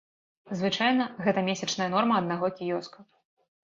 Звычайна, гэта месячная норма аднаго кіёска.